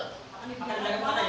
menuju ke gunung